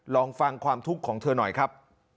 ลองฟังความทุกข์ของเธอหน่อยครับ